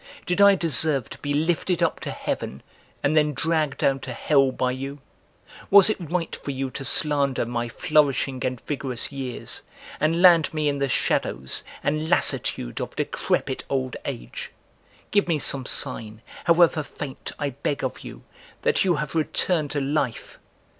Did I deserve to be lifted up to heaven and then dragged down to hell by you? Was it right for you to slander my flourishing and vigorous years and land me in the shadows and lassitude of decrepit old age? Give me some sign, however faint, I beg of you, that you have returned to life!"